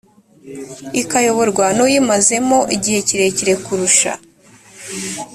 ikayoborwa n uyimazemo igihe kirekire kurusha